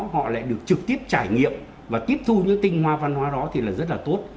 họ lại được trực tiếp trải nghiệm và tiếp thu những tinh hoa văn hóa đó thì là rất là tốt